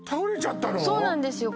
そうなんですよ